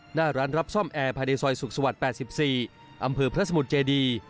หน้าร้านรับซ่อมแอร์ภายในซอยสุขสวรรค์๘๔อำเภอพระสมุทรเจดี